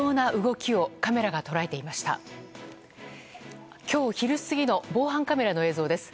きょう昼過ぎの防犯カメラの映像です。